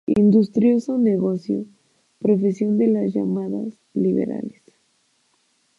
industrioso negocio, profesión de las llamadas liberales